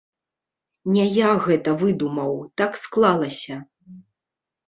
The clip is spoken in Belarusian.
Не я гэта выдумаў, так склалася.